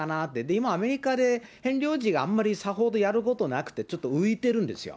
今、アメリカでヘンリー王子があんまり、さほどやることなくてちょっと浮いてるんですよ。